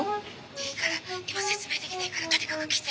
いいから今説明できないからとにかく来て。